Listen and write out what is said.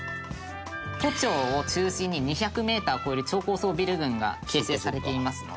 都庁を中心に２００メーターを超える超高層ビル群が形成されていますので。